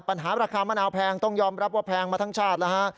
ปัญหาราคามะนาวแพงต้องยอมรับว่าแพงมาทั้งชาติแล้วฮะ